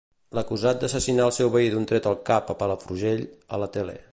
L'acusat d'assassinar el seu veí d'un tret al cap a Palafrugell, a la tele.